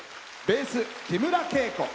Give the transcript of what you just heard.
ベース、木村圭子。